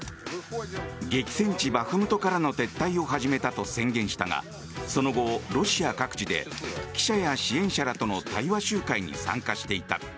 激戦地バフムトからの撤退を始めたと宣言したがその後、ロシア各地で記者や支援者らとの対話集会に参加していた。